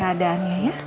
lihat keadaannya ya